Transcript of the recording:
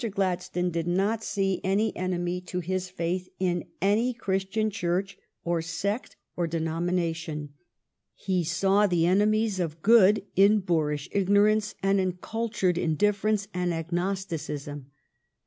Gladstone did not see any enemy to his faith in any Christian Church or sect or denomination. He saw the enemies of good in boorish ignorance and in cultured indiffer ence and agnosticism.